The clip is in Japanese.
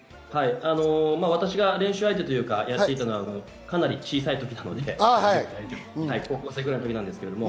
私が練習相手というか、やっていたのはかなり小さい時なので高校生ぐらいの時です。